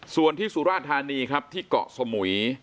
ส่วนที่สุราธานีครับที่เกาะสมุย